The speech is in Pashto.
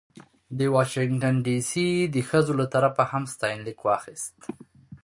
د واشنګټن ډې سي د ښځو له طرفه هم ستاینلیک واخیست.